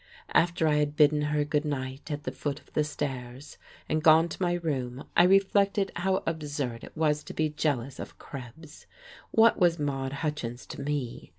After I had bidden her good night at the foot of the stairs, and gone to my room, I reflected how absurd it was to be jealous of Krebs. What was Maude Hutchins to me?